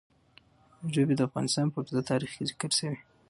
ژبې د افغانستان په اوږده تاریخ کې ذکر شوي دي.